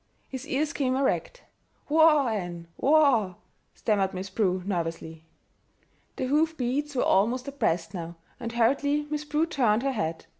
His ears came erect. "Whoa, Ann, whoa!" stammered Miss Prue nervously. The hoof beats were almost abreast now, and hurriedly Miss Prue turned her head.